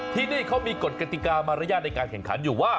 ที่นี่เขามีกฎกติกามารยาทในการแข่งขันอยู่ว่า